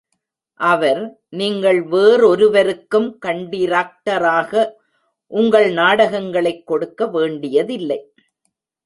அவர், நீங்கள் வேறொருவருக்கும் கண்டிராக்டராக உங்கள் நாடகங்களைக் கொடுக்க வேண்டியதில்லை.